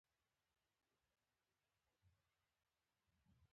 د ګاونډي سپي په چمن کې ککړتیا کړې وي